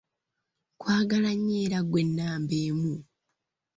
Nkwagala nnyo era ggwe nnamba emu.